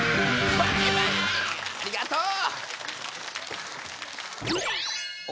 ありがとう！